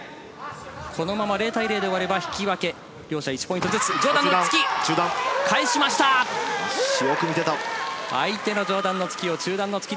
このまま０対０で終われば引き分け、両者１ポイントずつ上段の突き。